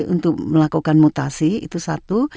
untuk melakukan mutasi itu satu